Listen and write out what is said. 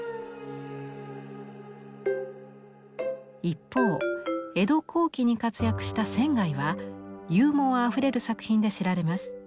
一方江戸後期に活躍した仙はユーモアあふれる作品で知られます。